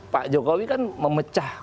pak jokowi kan memecah